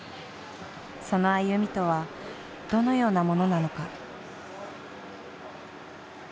その歩みとはどのようなものなのか。